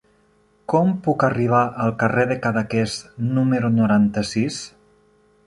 Com puc arribar al carrer de Cadaqués número noranta-sis?